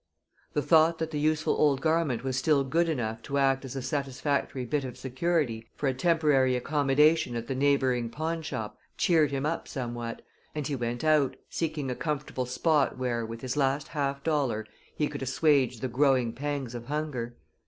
The thought that the useful old garment was still good enough to act as a satisfactory bit of security for a temporary accommodation at the neighboring pawnshop cheered him up somewhat, and he went out, seeking a comfortable spot where with his last half dollar he could assuage the growing pangs of hunger.